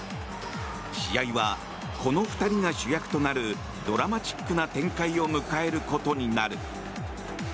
試合は、この２人が主役となるドラマチックな展開を迎えることになる。